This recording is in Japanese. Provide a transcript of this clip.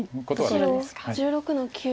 白１６の九。